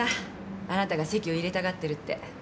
あなたが籍を入れたがってるって。